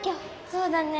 そうだね。